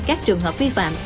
các trường hợp vi phạm